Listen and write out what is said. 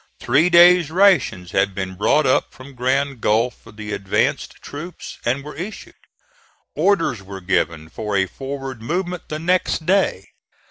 Three days' rations had been brought up from Grand Gulf for the advanced troops and were issued. Orders were given for a forward movement the next day.